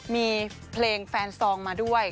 มีเพลงแฟนซองมาด้วย